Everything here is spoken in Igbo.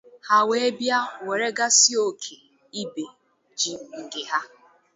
ha wee bịa weregasịa òkè ibe ji nke ha